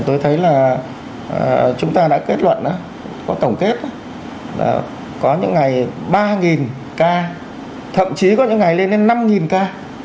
tôi thấy là chúng ta đã kết luận có tổng kết có những ngày ba ca thậm chí có những ngày lên đến năm ca